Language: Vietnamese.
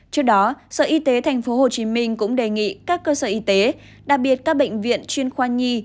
trước đó sở y tế tp hcm cũng đề nghị các cơ sở y tế đặc biệt các bệnh viện chuyên khoa nhi